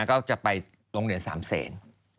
ก็จะไปโรงเรียนสามเศษ